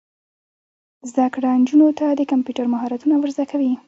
زده کړه نجونو ته د کمپیوټر مهارتونه ور زده کوي.